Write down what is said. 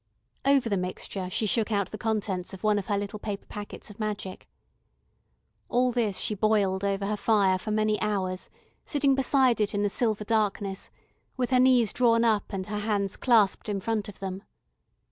Over the mixture she shook out the contents of one of her little paper packets of magic. All this she boiled over her fire for many hours, sitting beside it in the silver darkness, with her knees drawn up and her hands clasped in front of them.